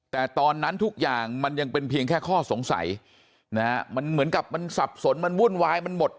แต่ตอนนั้นทุกอย่างมันยังเป็นเพียงแค่ข้อสงสัยนะฮะมันเหมือนกับมันสับสนมันวุ่นวายมันหมด